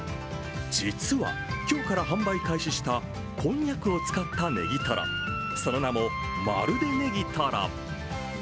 実は今日から販売開始したこんにゃくを使ったネギトロ、その名も、まるでネギトロ。